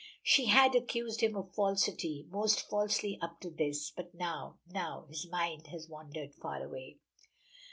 She had accused him of falsity, most falsely up to this, but now now His mind has wandered far away.